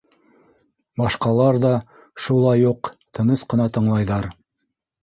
Башҡалар ҙа шулай уҡ тыныс ҡына тыңлайҙар.